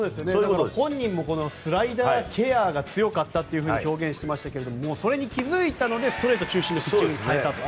本人もスライダーケアが強かったというふうに表現してましたけどそれに気づいたのでストレート中心のピッチングに変えたと。